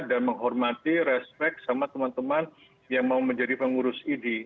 dan menghormati respect sama teman teman yang mau menjadi pengurus idi